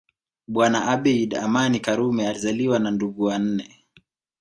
Bwana Abeid Amani Karume alizaliwa na ndugu wanne